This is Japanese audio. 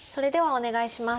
お願いします。